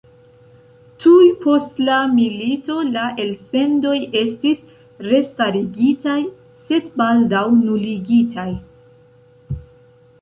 Tuj post la milito la elsendoj estis restarigitaj, sed baldaŭ nuligitaj.